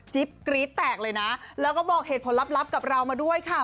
กรี๊ดแตกเลยนะแล้วก็บอกเหตุผลลับกับเรามาด้วยค่ะ